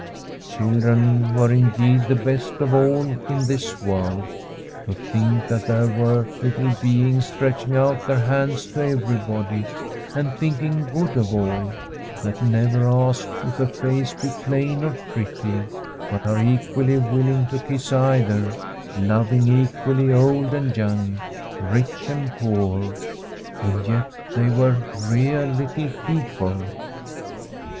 Children were indeed the best of all in this world. To think that there were little beings stretching out their hands to everybody, and thinking good of all ; that never ask if a face be plain or pretty, but are equally willing to kiss either, loving equally old and young, rich and poor. And yet they were real little people.